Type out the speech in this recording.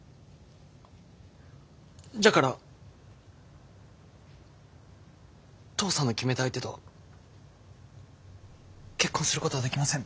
じゃから父さんの決めた相手と結婚することはできません。